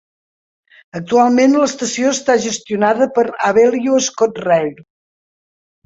Actualment l'estació està gestionada per Abellio ScotRail.